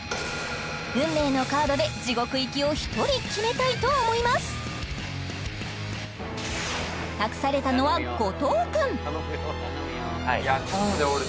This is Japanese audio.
運命のカードで地獄行きを１人決めたいと思います託されたのは後藤くんはい